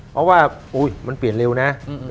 เพราะว่ามันเปลี่ยนเร็วนะ